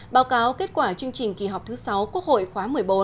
báo cáo kết quả chương trình kỳ họp thứ sáu quốc hội khóa một mươi bốn